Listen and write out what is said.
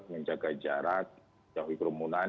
menjaga jarak jauhi kerumunan